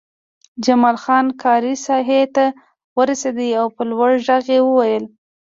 جمال خان کار ساحې ته ورسېد او په لوړ غږ یې وویل